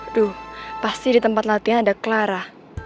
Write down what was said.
aduh pasti di tempat latihan ada clara